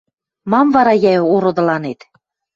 – Мам вара, йӓ, ородыланет.